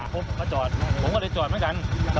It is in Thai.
ผมมาจอดผมก็เลยจอดเหมือนกัน